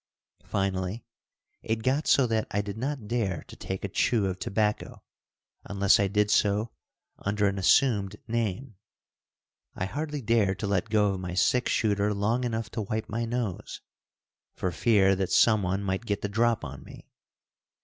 Finally, it got so that I did not dare to take a chew of tobacco, unless I did so under an assumed name. I hardly dared to let go of my six shooter long enough to wipe my nose, for fear that someone might get the drop on me.